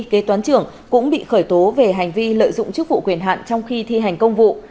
kế toán trưởng cũng bị khởi tố về hành vi lợi dụng chức vụ quyền hạn trong khi thi hành công vụ